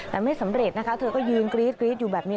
แต่ไม่สำเร็จนะคะเธอก็ยืนกรี๊ดอยู่แบบนี้